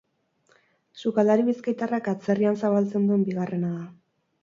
Sukaldari bizkaitarrak atzerrian zabaltzen duen bigarrena da.